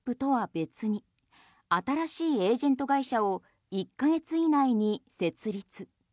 別に新しいエージェント会社を１ヶ月以内に設立。